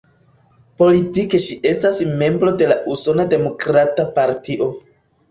Politike ŝi estas membro de la Usona Demokrata Partio.